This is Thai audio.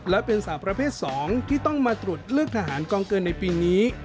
และเป็นสาวประเภท๒ที่ต้องมาตรวจเลือกทหารกองเกินในปีนี้